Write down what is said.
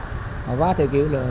nó vá theo kiểu là